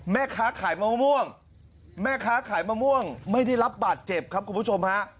แม่ค้าขายมะม่วงไม่ได้รับบาทเจ็บครับคุณผู้ชมฮะ